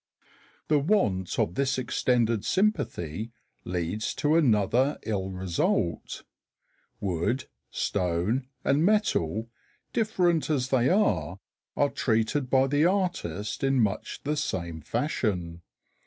The want of this extended sympathy leads to another ill result. Wood, stone, and metal, different as they are, are treated by the artist in much the same fashion.